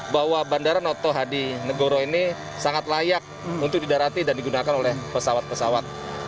bahwa bandara notohadi negoro ini sangat layak untuk didarati dan digunakan oleh pesawat pesawat